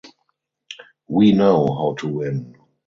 We know how to win.